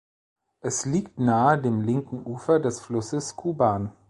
Es liegt nahe dem linken Ufer des Flusses Kuban.